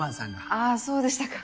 ああそうでしたか。